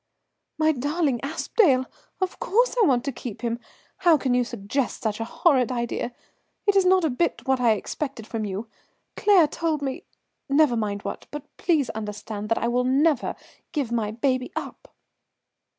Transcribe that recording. "My darling Aspdale! Of course I want to keep him. How can you suggest such a horrid idea? It is not a bit what I expected from you. Claire told me never mind what; but please understand that I will never give my baby up."